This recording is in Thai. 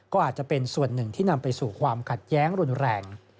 ก็อาจจะเป็นส่วนหนึ่งที่นำไปสู่ความขัดแย้งรุนแรง